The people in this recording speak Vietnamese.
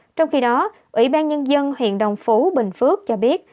trong khi đó ủy ban nhân dân huyện đồng phú bình phước cho biết